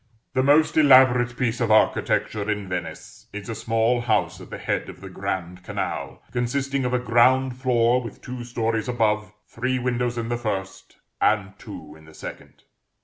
The most elaborate piece of architecture in Venice is a small house at the head of the Grand Canal, consisting of a ground floor with two stories above, three windows in the first, and two in the second.